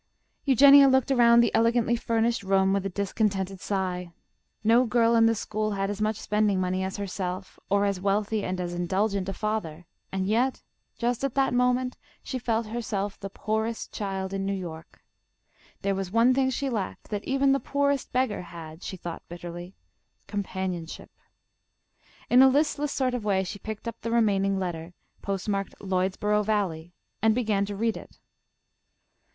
Eugenia looked around the elegantly furnished room with a discontented sigh. No girl in the school had as much spending money as herself, or as wealthy and as indulgent a father, and yet just at that moment she felt herself the poorest child in New York. There was one thing she lacked that even the poorest beggar had, she thought bitterly, companionship. In a listless sort of way she picked up the remaining letter, postmarked Lloydsboro Valley, and began to read it.